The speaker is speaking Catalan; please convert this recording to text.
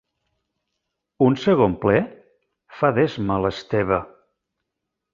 Un segon ple? —fa d'esma l'Esteve.